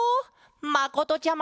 まことちゃま！